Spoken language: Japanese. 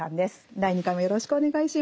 第２回もよろしくお願いします。